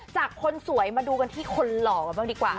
คนสวยมาดูกันที่คนหล่อกันบ้างดีกว่า